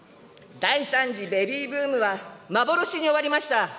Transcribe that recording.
第３次ベビーブームは幻に終わりました。